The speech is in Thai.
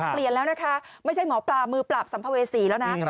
เปลี่ยนแล้วนะคะไม่ใช่หมอปลามือปราบสัมภเวษีแล้วนะ